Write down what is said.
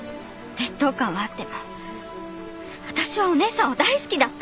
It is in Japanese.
劣等感はあっても私はお姉さんを大好きだった。